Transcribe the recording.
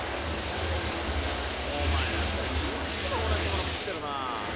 あお前ら２人いっつも同じもの食ってるなぁ。